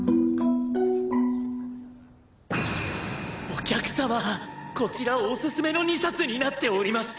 お客様こちらおすすめの２冊になっておりまして。